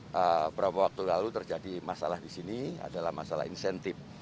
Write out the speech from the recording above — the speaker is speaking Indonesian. beberapa waktu lalu terjadi masalah di sini adalah masalah insentif